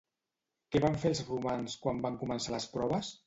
Què van fer els romans quan van començar les proves?